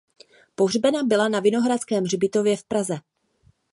Pohřbena byla na Vinohradském hřbitově v Praze.